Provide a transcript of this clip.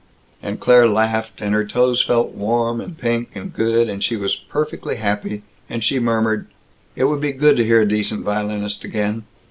and Claire laughed, and her toes felt warm and pink and good, and she was perfectly happy, and she murmured, "It would be good to hear a decent violinist again.